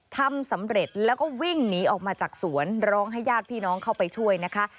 ทำสำเร็จแล้วก็วิ่งหนีออกมาจากสวนร้องให้ญาติพี่น้องเข้าไปช่วยนะคะ